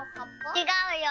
ちがうよ。